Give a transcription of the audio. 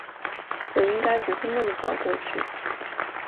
我应该不会那么早过去